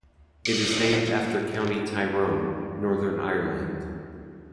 It is named after County Tyrone, Northern Ireland.